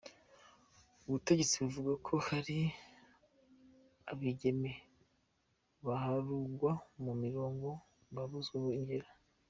Ubutegetsi buvuga ko hari abigeme baharugwa mu mirongo babuzwe irengero.